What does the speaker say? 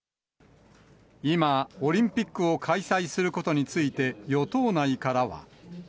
今、オリンピックを開催することについて与党内からは。